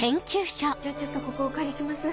じゃあちょっとここお借りします。